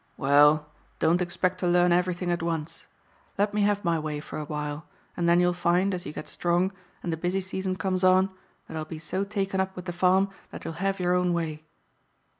"Well, don't expect to learn everything at once. Let me have my way for a while, and then you'll find, as you get strong, and the busy season comes on, that I'll be so taken up with the farm that you'll have your own way.